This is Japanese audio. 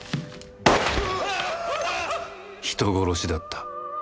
人殺しだった